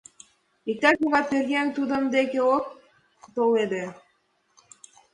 Иктаж-могай пӧръеҥ тудын деке ок толеде?..